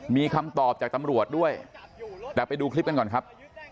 มีคำตอบจากตำรวจด้วยแต่ไปดูคลิปกันก่อนครับ